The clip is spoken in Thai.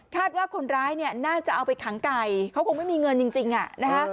ว่าคนร้ายเนี่ยน่าจะเอาไปขังไก่เขาคงไม่มีเงินจริงอ่ะนะคะ